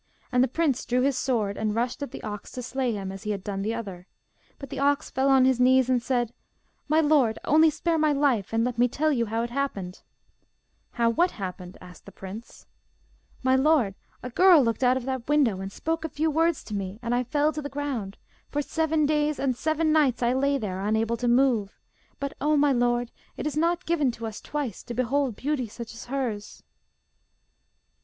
And the prince drew his sword, and rushed at the ox to slay him, as he had done the other. But the ox fell on his knees and said: 'My lord, only spare my life, and let me tell you how it happened.' 'How what happened?' asked the prince. 'My lord, a girl looked out of that window and spoke a few words to me, and I fell to the ground. For seven days and seven nights I lay there, unable to move. But, O my lord, it is not given to us twice to behold beauty such as hers.